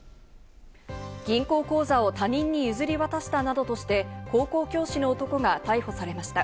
銀行口座を他人に譲り渡したなどとして高校教師の男が逮捕されました。